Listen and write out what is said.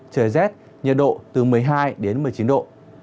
trời rét nhiệt độ từ một mươi hai đến một mươi chín độ